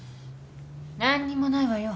何にもないわよ。